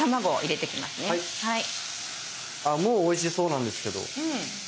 あっもうおいしそうなんですけど。